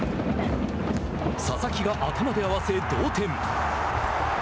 佐々木が頭で合わせ、同点。